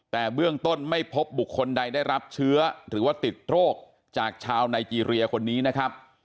แต่เบื้องต้นไม่พบบุคคลใดได้รับเชื้อหรือว่าติดโรคจากชาวไนเจรียคนนี้นะครับ